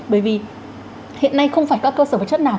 bởi vì hiện nay không phải các cơ sở vật chất nào